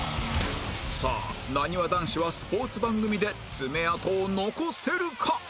さあなにわ男子はスポーツ番組で爪痕を残せるか！？